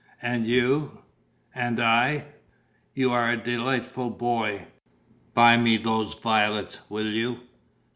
And you ..." "And I?" "You are a delightful boy. Buy me those violets, will you?"